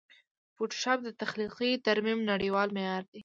فوټوشاپ د تخلیقي ترمیم نړېوال معیار دی.